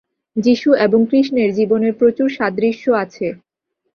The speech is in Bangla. যীশু এবং কৃষ্ণের জীবনের প্রচুর সাদৃশ্য আছে।